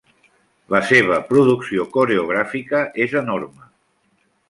La seva producció coreogràfica és enorme.